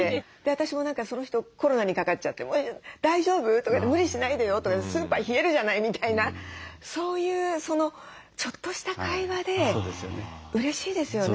私も何かその人コロナにかかっちゃって「大丈夫？」とか「無理しないでよ」とか「スーパー冷えるじゃない」みたいなそういうちょっとした会話でうれしいですよね。